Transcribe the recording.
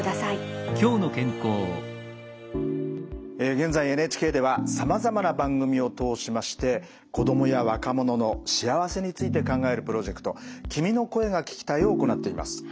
現在ＮＨＫではさまざまな番組を通しまして子供や若者の幸せについて考えるプロジェクト「君の声が聴きたい」を行っています。